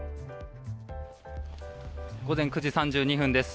午前９時３２分です。